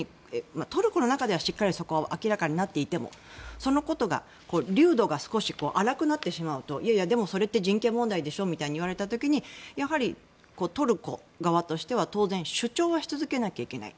トルコの中では、そこがしっかり明らかになっていてもそのことが粒度が少し粗くなってしまうといやいやでもそれって人権問題でしょって言われた時にやはり、トルコ側としては主張し続けなければならない。